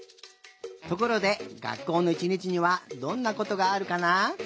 ところでがっこうのいちにちにはどんなことがあるかな？